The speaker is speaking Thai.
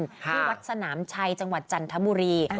ที่วัดสนามชัยจังหวัดจันทบุรี